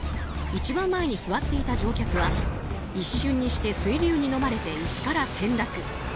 一番前に座っていた乗客は一瞬にして水流にのまれて椅子から転落。